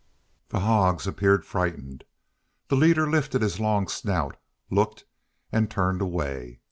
The hogs appeared frightened. The leader lifted his long snout, looked, and turned away.